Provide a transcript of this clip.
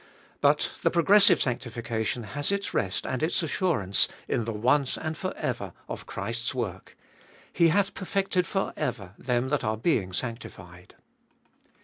But the progressive sanctification has its rest and its assurance in the ONCE and FOR EVER of Christ's work. He hath perfected for ever them that are being sanctified.